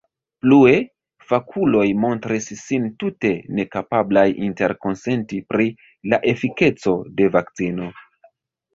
Plue: fakuloj montris sin tute nekapablaj interkonsenti pri la efikeco de vakcino.